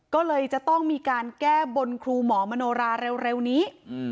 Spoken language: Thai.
ก็เลยจะต้องมีการแก้บนครูหมอมโนราเร็วนี้